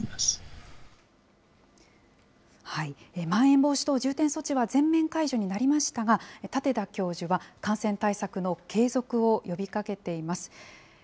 まん延防止等重点措置は全面解除になりましたが、舘田教授は、感染対策の継続を呼びかけています。